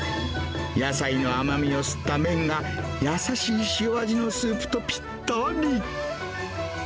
野菜の甘みを吸った麺が、優しい塩味のスープとぴったり。